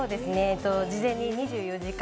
事前に２４時間